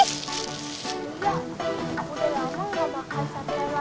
ya udah lama gak makan sate lagi